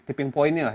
tipping pointnya lah